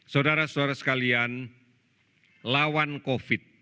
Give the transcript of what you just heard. saudara saudara sekalian lawan covid sembilan belas